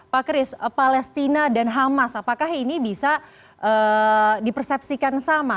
pak kris palestina dan hamas apakah ini bisa dipersepsikan sama